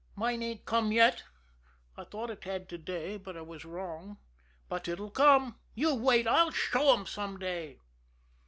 Mine ain't come yet. I thought it had to day, but I was wrong. But it'll come. You wait! I'll show 'em some day!"